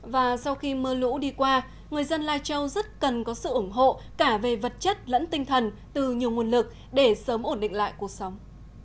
và sau khi mưa lũ đi qua người dân lai châu rất cần có sự ủng hộ cả về vật chất lẫn tinh thần từ nhiều nguồn lực để sớm ổn định lại cuộc sống